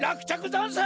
ざんす！